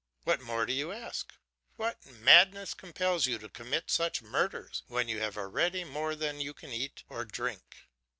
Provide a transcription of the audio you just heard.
What more do you ask? What madness compels you to commit such murders, when you have already more than you can eat or drink?